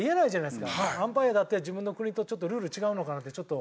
アンパイアだって自分の国とちょっとルール違うのかなって。